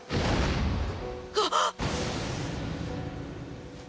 あっ！